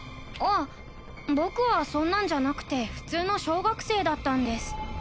あ僕はそんなんじゃなくて普通の小学生だったんです